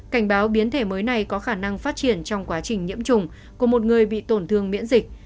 cảnh báo biến thể mới này có khả năng phát triển trong quá trình nhiễm trùng của một người bị tổn thương miễn dịch